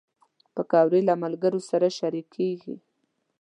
پکورې له ملګرو سره شریکېږي